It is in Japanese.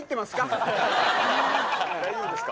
大丈夫ですか？